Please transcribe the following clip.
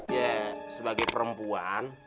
ya sebagai perempuan